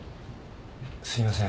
すいません。